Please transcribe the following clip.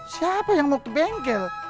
siapa yang mau ke bengkel